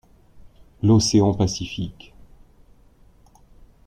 L’Océan Pacifique.